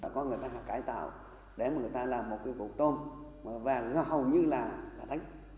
có người ta hạ cải tạo để mà người ta làm một cái vụ tôm và hầu như là thánh